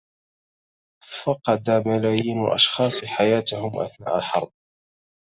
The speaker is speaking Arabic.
فقد ملايين الأشخاص حياتهم أثناء الحرب.